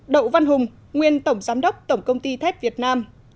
đậu văn hùng nguyên tổng giám đốc tổng công ty thép việt nam